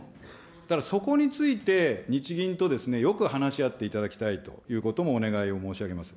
だからそこについて、日銀とよく話し合っていただきたいということもお願いを申し上げます。